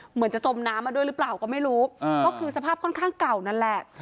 เหมือนจะจมน้ำมาด้วยหรือเปล่าก็ไม่รู้ก็คือสภาพค่อนข้างเก่านั่นแหละ